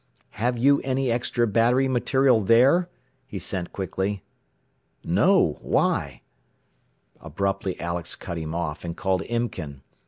"Have you any extra battery material there?" he sent quickly. "No. Why " Abruptly Alex cut him off and called Imken.